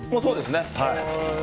そうですね。